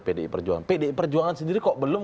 pdi perjuangan pdi perjuangan sendiri kok belum